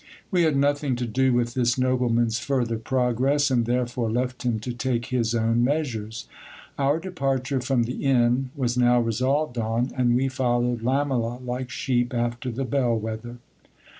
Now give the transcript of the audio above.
We had nothing to do with this nobleman's further progress, and therefore left him to take his own measures. Our de parture from the inn was now resolved on ; and we followed Lamela like sheep after the bell wether.